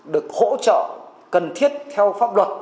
được hỗ trợ cần thiết theo pháp luật